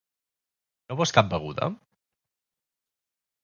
No vols cap beguda?